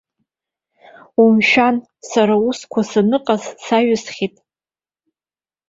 Умшәан, сара усқәа саныҟаз саҩсхьеит!